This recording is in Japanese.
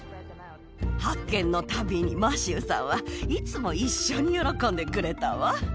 発見の旅にマシューさんはいつも一緒に喜んでくれたわ。